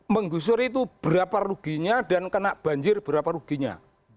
menggusur itu berapa ruginya dan kena banjir berapa ruginya